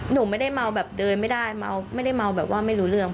หนูไม่ได้เมาแบบเดินไม่ได้เมาไม่ได้เมาแบบว่าไม่รู้เรื่อง